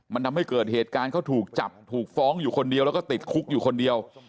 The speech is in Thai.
มันทำให้เกิดเหตุการณ์เขาถูกจับถูกฟ้องอยู่คนเดียวแล้วก็ติดคุกอยู่คนเดียว